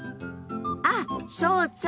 あっそうそう！